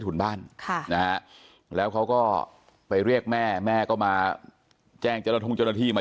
ถุนบ้านแล้วเขาก็ไปเรียกแม่แม่ก็มาแจ้งเจริย์ทุ่งจนาทีมา